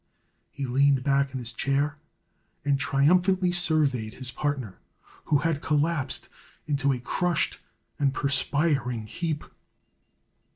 He leaned back in his chair and triumphantly surveyed his partner, who had collapsed into a crushed and perspiring heap.